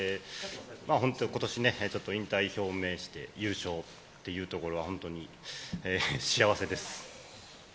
今年、引退表明して優勝というところは本当に幸せです。